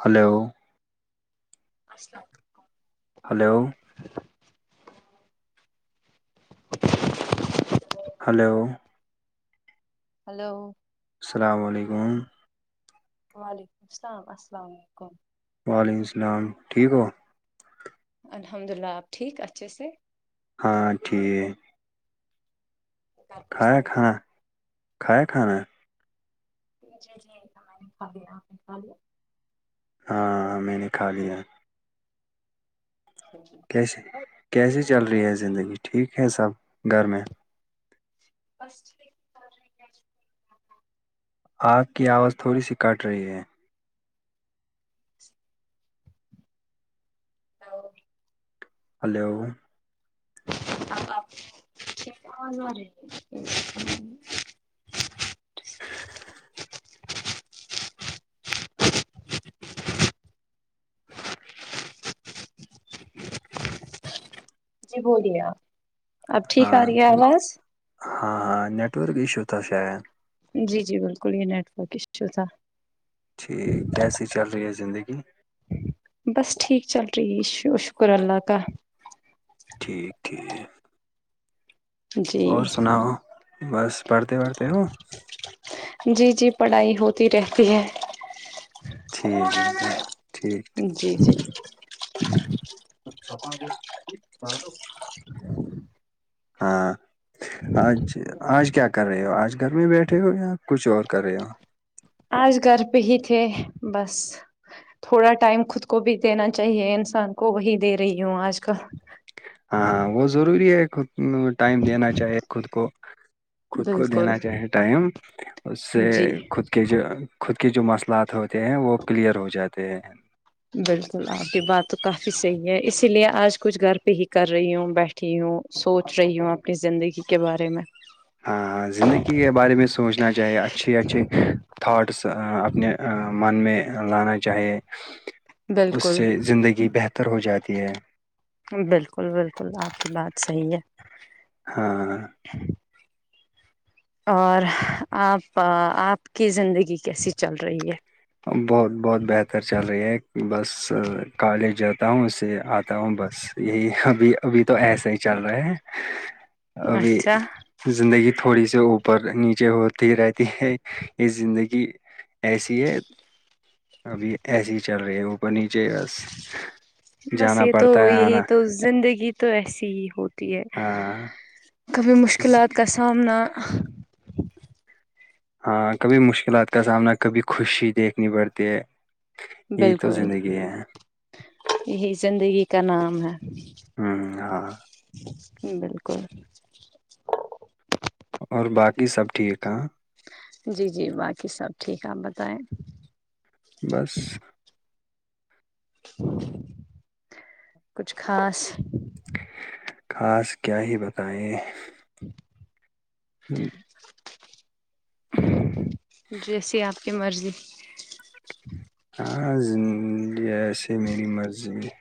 hello [unintelligible] hello hello hello السلام علیکم وعلیکم السلام السلام علیکم وعلیکم السلام ٹھیک ہو الحمد للہ آپ ٹھیک اچھے سے ہاں ٹھیک گھر پر کھایا سبھی کھانا ٹھیک کھایا کھانا ج جی جی میں نےا لیا آپ نےکھا لیا [unintelligible] ہاں میں نے کھا لیا جی [inaudible] کیسے کیسے چل رہی ہے زندگی ٹھیک ہے سب گھر میں بس [inaudible] [inaudible] اپ کی آواز تھوڑی سی کاٹ رہی ہے [unintelligible] ا ہلو آ رہے [inaudible] جی بولیے آپ اب ٹھیک آ ہاں رہی ہے آواز ہاں ہاں نیٹورک ایشو تو ش ہے [unintelligible] جی جی بالکل یہ نیٹورک ایشو تھا ٹھیک کیسی چل رہی ہے زندگی بس ٹھیک چل رہی ہے شکر اللہ کا ٹھیک ہے [inaudible] اور جی سناؤ بس پڑھتے پڑھتے ہو جی جی پڑھائی ہوتی رہتی ہے ٹھیک ہے ٹھیک جی جی ٹھیک اچھا تھا ب [inaudible] [unintelligible] ہاں آج آج کیا کر رہے ہو آج گھر میں بیٹھے ہو یا کچھ اور کر رہے ہو آج گھر پہ ہی تھے بس تھوڑا ٹائم خود کو بھی دینا چاہیے انسان کو وہی دے رہی ہوں آج کل ہاں ہاں وہ ضروری ہے خود ٹائم دینا چاہے خود کو خود کو بالکل دینا چاہے ٹائم اس سے جی خود کے جو خود کے جو مسئلات ہوتے ہیں وہ کلیئر ہو جاتے ہیں بالکل آپ یہ بات تو کافی صحیح ہے اسی لیے آج کچھ گھر پہ ہی کر رہی ہوں بیٹھ ہوں سوچ رہی ہوں اپنی زندگی کے بارے میں ہاں زندگی کے بارے میں سوچنا چاہیے اچھے اچھے تھاٹس اپنے من میں لانا چاہیے اس بالکل سے زندگی بہتر ہو جاتی ہے بالکل بالکل آپ کی بات صحیح ہے ہاں اور آپ آپ کی زندگی کیسی چل رہی ہے بہت بہت بہتر چل رہی ہے بس کالج جاتا ہوں اسے آتا ہوں بس یہی ابھی ابھی تو ایسا ہی چل رہا ہے ابھی اچھا زندگی تھوڑی سی اوپر نیچے ہوتی رہتی ہے یہ زندگی ایسی ہے ابھی ایسیے ہی چل رہی ہے اوپر نیچے بس بس جانا یہ تو پڑتا ہے یہی آنا تو زندگی تو ایسی ہی ہوتی ہے ہاں کبھی ز- مشکلات کا سامنا ہاں کبھی مشکلات کا سامنا کبھی خوشی دیکھنی پڑتی ہے یہی تو بالکل زندگی ہے یہی زندگی کا نام ہے ہوں ہاں بالکل اور باقی سب ٹھیک ہے جی جی باقی سب ٹھیک آپ بتائیں بس کچھ خاص خاص کیا ہی بتائیں ہ جیسی آپ کی مرضی ہاں زندی ایسے میری مرضی میں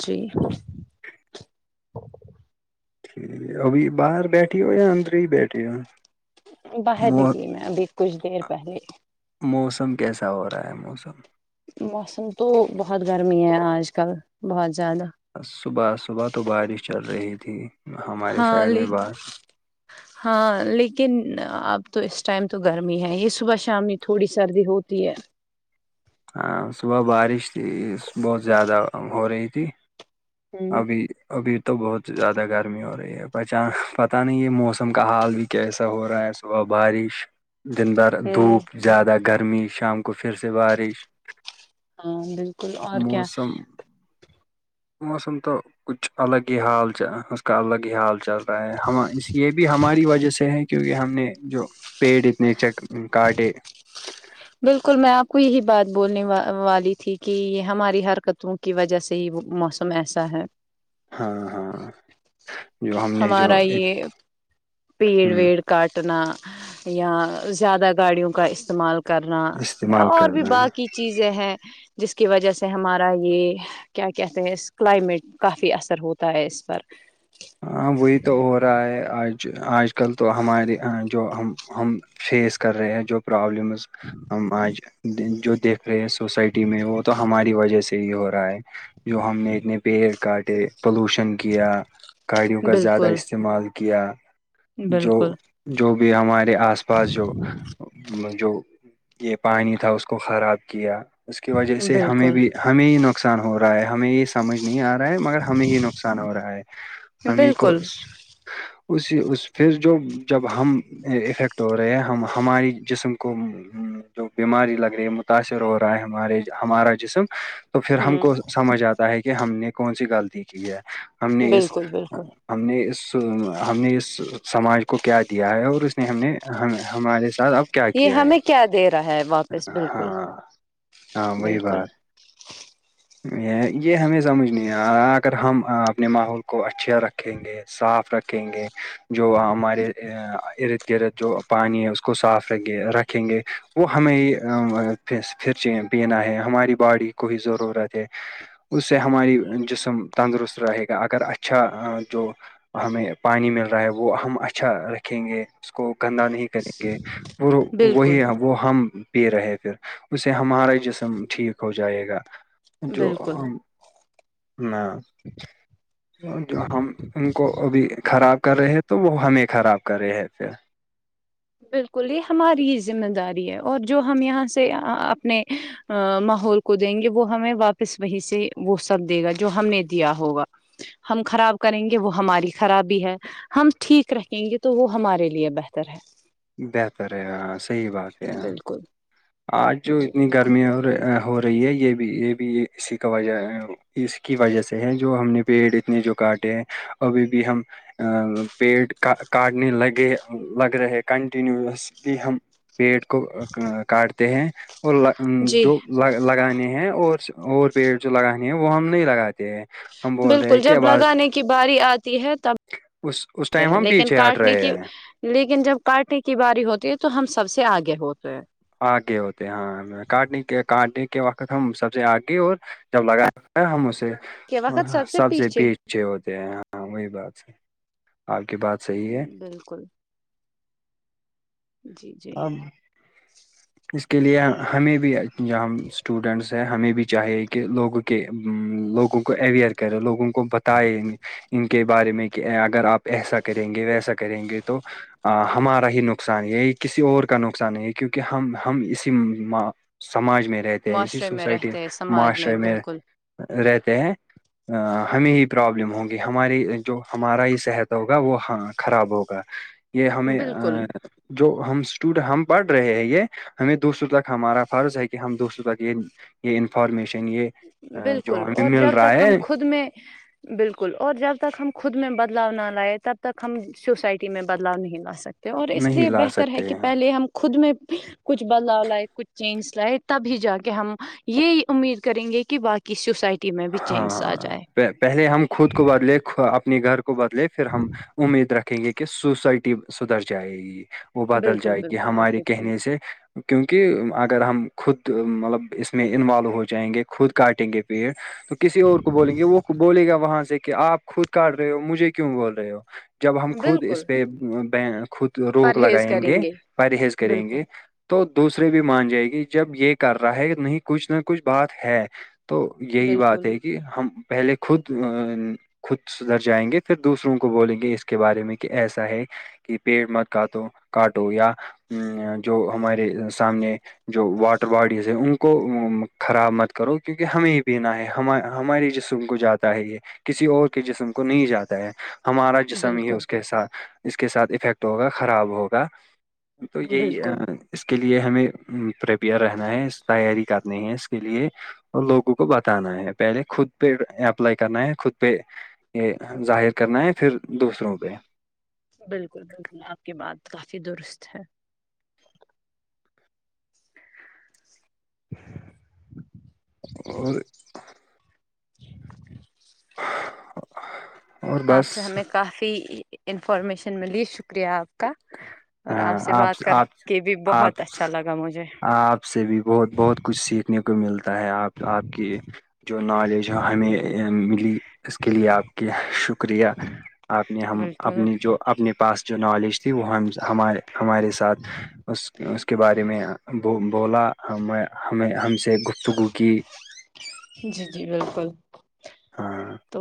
جی ٹھیک ہے ابھی باہر بیٹھی ہو یا اندر ہی بیٹھی ہو باہر مو نکلی میں ابھی کچھ دیر پہلے موسم کیسا ہو رہا ہے موسم موسم تو بہت گرمی ہے آج کل بہت زیادہ صبح صبح تو بارش چل رہی تھی ہمارے ہاں سائڈ میں ع بس ہاں لیکن اب تو اس ٹائم تو گرمی ہے یہ صبح شام میں تھوڑی سردی ہوتی ہے ہاں صبح بارش تھی بہت زیادہ ہو رہی تھی ہوں ابھی ابھی تو بہت زیادہ گرمی ہو رہی ہے پہچان پتہ نہیں ہے موسم کا حال بھی کیسا ہو رہا ہے صبح بارش دن بھر ہوں دھوپ زیادہ گرمی شام کو پھر سے بارش ہاں بالکل اور کیا موسم موسم تو کچھ الگ ہی حالچ ا اس کا الگ حال چل رہا ہے ہم اس یہ بھی ہماری وجہ سے ہے کیونکہ ہم نے جو پیڑ اتنے چ کاٹے بالکل میں آپ کو یہی بات بولنے والی تھی کہ یہ ہماری حرکتوں کی وجہ سے ہی وہ موسم ایسا ہے ہاں ہاں جو ہم نے جو ہمارا یہ پیڑ ویڑ کاٹنا یا زیادہ گاڑیوں کا استعمال کرنا استعمال اور بھی کرنا ہے باقی چیزیں ہیں جس کی وجہ سے ہمارا یہ کیا کہتے ہیں اس کلائمیٹ کافی اثر ہوتا ہے اس پر ہاں وہی تو ہو رہا ہے آج آج کل تو ہمارے جو ہم ہم فیس کر رہے ہیں جو پرابلمز ہم آج جو دیکھ رہے ہیں سوسائٹی میں وہ تو ہماری وجہ سے یہ ہو رہا ہے جو ہم نے اتنے پیڑ کاٹے پولوشن کیا گاڑیوں کا زیادہ بالکل استعمال کیا جو بالکل جو بھی ہمارے آس پاس جو جو یہ پانی تھا اس کو خراب کیا اس کی وجہ سے ہمیں بالکل بھی ہمیں یہ نقصان ہو رہا ہے ہمیں یہ سمجھ نہیں آ رہا مگر ہمیں ہی نقصان ہو رہا ہے ہمیں کو بالکل اسی اس پھر جو جب ہم افیکٹ ہو رہے ہیں ہم ہماری جسم کو جو بیماری لگ رہی ہے متاثر ہو رہا ہے ہمارے ہمارا جسم تو پھر ہم ہوں کو سمجھ آتا ہے کہ ہم نے کون سی غلطی کی ہے ہم نے اس بالکل بالکل ہم نے اس ہم نے اس سماج کو کیا دیا ہے اور اس نے ہم نے ہمارے س اب کیا یہ کیا ہے ہمیں دے رہا ہے واپس بالکل ہاں ہاں وہی بالکل بات یہ یہ ہمیں سمجھ نہیں آ اگر ہم اپنے ماحول کوھا اچھا رکھیں گے صاف رکھیں گے جو ہمارےر جو پانی ہے اس کو صاف ر رکھیں گے وہ ہمیں ہی پھر پھر پینا ہے ہماری باڈی کو ہی ضرورت ہے اس سے ہماری جسم تندرست رہے گا اگر اچھا جو ہمیں پانی مل رہا ہے وہ ہم اچھا رکھیں گے اس کو گندا نہیں کریں گے وہ بالکل وہی ہم وہ ہم پی رہے پھر اس سے ہمارا جسم ٹھیک ہو جائے گا جو بالکل میں [inaudible] جو ہم ان کو ابھی خراب کر رہے ہیں تو وہ ہمیں خراب کر رہے ہیں پھر بالکل یہ ہماری ہی ذمہ داری ہے اور جو ہم یہاں سے اپنے ماحول کو دیں گے وہ ہمیں واپس وہی سے وہ سب دے گا جو ہم نے دیا ہوگا ہم خراب کریں گے وہ ہماری خرابی ہے ہم ٹھیک رکھیں گے تو وہ ہمارے لیے بہتر ہے بہتر ہے اں صحیح بات ہے آج جو جی اتنی بالکل گرمی اور ہو رہی ہے یہ بھی یہ بھی اسی کا وجہ اس کی وجہ سے ہے جو ہم نے پیڑ اپ نے جو کاٹے ہیں ابھی بھی ہم ا پیٹ کا کاٹنے لگے لگ رہے کنٹینوسلی ہم پیڑ کو کاٹتے ہیں اور جی جو ل لگانے ہیں اور اور پیڑ جو لگانے ہیں وہ ہم نہیں لگاتے ہیں ہم بول رہے بالکل ہیں کہ جب آواز لگانے کی باری آتی ہے تب اس اس ٹائم ہم لیکن پیچھے ہٹ کاٹنے رہے کی ہیں لیکن جب کاٹنے کی باری ہوتی ہے تو ہم سب سے آگے ہوتے ہیں آگے ہوتے ہیں ہاں کاٹنے کے کاٹنے کے وقت ہم سب سے آگے اور جب لگا ہے ہم اسے کے وقت سب سے پیچھے بیچ اچھے ہوتے ہیں ہاں وہی بات ص آپ کی بات صحیح ہے بالکل جی جی ہ اس کے لیے ہمیں بھی ج ہم اسٹوڈینٹس ہیں ہمیں بھی چاہیے کہ لوگوں کہ لوگوں کو اویئر کرے لوگوں کو بتائے ان کے بارے میں کہ اگر آپ ایسا کریں گے ویسا کریں گے تو ہمارا ہی نقصان یہی کسی اور کا نقصان ہے ہے کیونکہ ہم ہم اسی سماج میں رہتے ہیں اسی معاشرے میں سوسائٹی رہتے ہیں سماج معاشرے میں بالکل رہتے ہیں ہمیں ہی پرابلم ہوگی ہماری جو ہمارا ہی صحت ہوگا وہ ہاں خراب ہوگا یہ ہمیں بالکل جو ہم اسٹوڈ ہم پڑھ رہے ہیں یہ ہمیں دوسروں تک ہمارا فرض ہے کہ ہم دوسروں تک یہ یہ انفارمیشن یہ آ، جو بالکل ہمیں اور مل جب رہا تک ہے ہم خود میں بالکل اور جب تک ہم خود میں بدلاؤ نہ لائے تب تک ہم سوسائٹی میں بدلاؤ نہیں لا سکتے اور اس نہیں لیے لا بہتر ہے سکتے کہ ہیں پہلے ہم خود میں کچھ بدلاؤ لائے کچھ چینج لائے تبھی جا کے ہم یہی امید کریں گے کہ باقی ک سوسائٹی میں بھی چینج آ ہاںاں جائے پہلے ہم خود کو بدلے اپنے گھر کو بدلے پھر ہم امید رکھیں گے کہ سوسائٹی سدھرر جائے گی وہ بدل بالکل جائے گی بالکل آپ ہمارے کے کہنے سے کیونکہ اگر ہم خود مطلب اس میں انوالو ہو جائیں گے خود کاٹیں گے پیٹ تو کسی اور کو بولیں گے وہ بولے گا وہاں سے کہ آپ خود کاٹ رہے ہو مجھے کیوں بول رہے ہو جب ہم خود بالکل اس پہ خود روک پرہیز لگائیں کریں گے پرہیز کریں بالکل گے تو دوسرے بھی مان جائے گی جب یہ کر رہا ہے نہیں کچھ نہ کچھ بات ہے تو یہی بات بالکل ہے کہ ہم پہلے خود ا خود سدھر جائیں گے پھر دوسروں کو بولیں گے اس کے بارے میں کہ ایسا ہے کہ پیڑ مت کاٹو کاٹو یا جو ہمارے سامنے جو واٹر باڈیز ہے ان کو خراب مت کرو کیونکہ ہمیں بینا ہے ہم ہمارے جسم کو جاتا ہے یہ کسی اور کے جسم کو نہیں جاتا ہے ہمارا جسم ہی بالکل اس کے ساتھ اس کے ساتھ افیکٹ ہوگا خراب ہوگا تو یہی بالکل اس کے لیے ہمیں پریپیئر رہنا ہے تیاری کا نہیں ہیں اس کے لیے اور لوگوں کو کو بتانا ہے پہلے خود پہ اپلائی کرنا ہے خود پہ یہ ظاہر کرنا ہے پھر دوسروں پہ بالکل بالکل آپ کی بات کافی درست ہے [inaudible] اور [inaudible] اور بس آپ سے ہمیں کافی انفارمیشن ملی شکریہ آپ کا اور ہاں، آپ سے بات کر آپ کے بھی آپ بہت اچھا لگا مجھے آپ سے بھی بہت بہت کچھ سیکھنے کو ملتا ہے آپ آپ کی جو نالج ہو ہمیں ملی اس کے لیے آپ کے شکریہ آپ نے ہم بالکل اپنے جو اپنے پاس جو نالج تھی وہ ہمار ہمارے ساتھ اس اس کے بارے میں بولا ہمیں ہمیں ہم سے گفتگو کی جی جی بالکل ہاں تو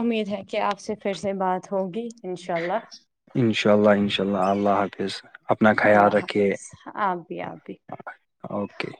امید ہے کہ آپ سے پھر سے بات ہوگی ان شاء اللہ انشاء اللہ انشا اللہ اللہ حافظ اپنا خیال اللہ رکھیے حافظ آپ بھی آپ بھی اوکے